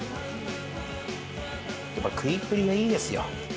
食いっぷりがいいですよ。